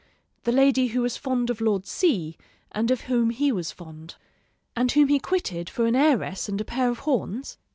the lady who was fond of Lord C , and of whom he was fond? and whom he quitted for an heiress and a pair of horns?